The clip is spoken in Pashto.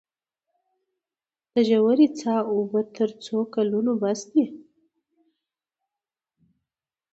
د ژورې څاه اوبه تر څو کلونو بس دي؟